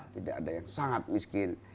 tidak ada yang sangat miskin